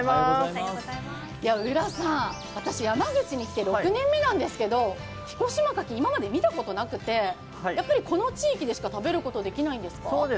浦さん、私、山口に来て６年目なんですけど、彦島牡蠣、今まで見たことなくてやっぱりこの地域でしか食べることできないんですか？